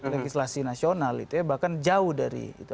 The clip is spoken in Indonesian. legislasi nasional itu ya bahkan jauh dari itu